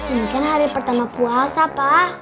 ini kan hari pertama puasa pak